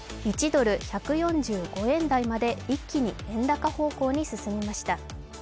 １ドル＝１４５円台まで一気に円高方向に進みました。